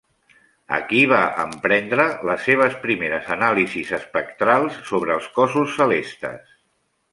Aquí va emprendre les seves primeres anàlisis espectrals sobre els cossos celestes.